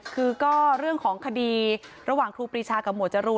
คือก็เรื่องของคดีระหว่างครูปรีชากับหมวดจรูน